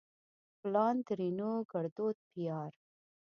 پلار؛ ترينو ګړدود پيار